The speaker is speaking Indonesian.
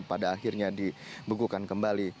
pada akhirnya dibekukan kembali